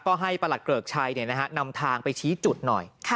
ก็ให้ประหลักเกิรกชัยเนี่ยนะฮะนำทางไปชี้จุดหน่อย